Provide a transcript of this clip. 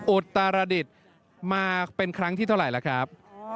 อุตรดิษฐ์มาเป็นครั้งที่เท่าไหร่ล่ะครับ